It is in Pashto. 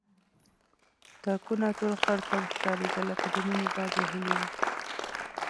تاکونه ټول خړپړ ښکارېدل لکه د مني باد وهلي وي.